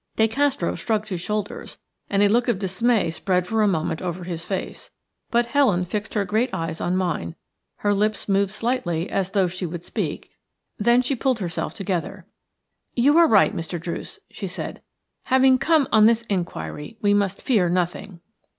De Castro shrugged his shoulders and a look of dismay spread for a moment over his face; but Helen fixed her great eyes on mine, her lips moved slightly as though she would speak, then she pulled herself together. "You are right, Mr. Druce," she said. "Having come on this inquiry, we must fear nothing."